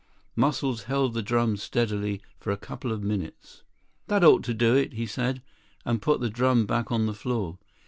Muscles held the drum steadily for a couple of minutes. "That ought to do it," he said, and put the drum back on the floor.